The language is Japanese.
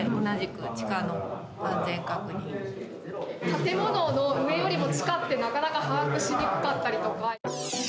建物の上よりも地下はなかなか把握しにくかったりとか。